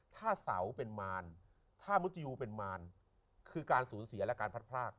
ถ้าเสาเป็นมารถ้ามุติยูเป็นมารคือการสูญเสียและการพัดพราก